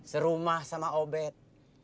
serumah sama obed